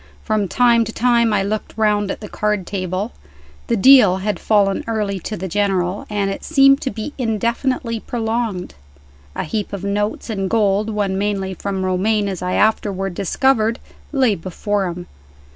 From time to time I looked round at the card table. The "deal" had fallen early to the General, and it seemed to be indefinitely prolonged. A heap of notes and gold (won mainly from Romayne, as I afterward discovered) lay before him.